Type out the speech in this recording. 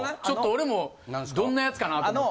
ちょっと俺もどんなやつかな思って。